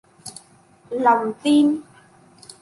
lòng tin